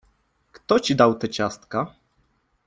— Kto ci dał te ciastka?